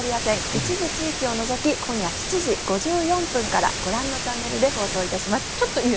一部地域を除き今夜７時５４分からご覧のチャンネルで放送します。